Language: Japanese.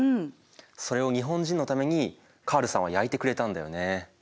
それを日本人のためにカールさんは焼いてくれたんだよね。